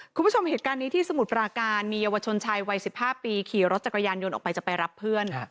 คุณผู้ชมเหตุการณ์นี้ที่สมุทรปราการมีเยาวชนชายวัย๑๕ปีขี่รถจักรยานยนต์ออกไปจะไปรับเพื่อน